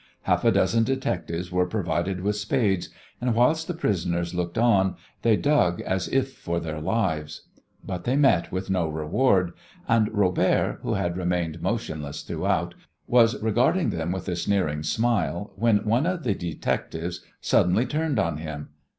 Half a dozen detectives were provided with spades, and, whilst the prisoners looked on, they dug as if for their lives. But they met with no reward, and Robert, who had remained motionless throughout, was regarding them with a sneering smile when one of the detectives suddenly turned on him.